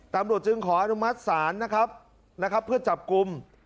ตำรวจจึงขออนุมัติศาลนะครับนะครับเพื่อจับกลุ่ม